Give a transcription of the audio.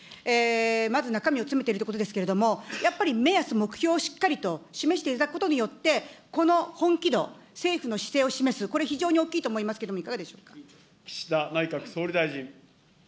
まず中身を詰めているということですけれども、やっぱり目安、目標をしっかりと示していただくことによって、この本気度、政府の姿勢を示す、これ、非常に大きいと思いますけれども、いかがでし岸田内閣総理大臣。